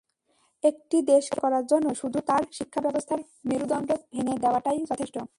একটি দেশকে ধ্বংস করার জন্য শুধু তার শিক্ষাব্যবস্থার মেরুদণ্ড ভেঙে দেওয়াটাই যথেষ্ট।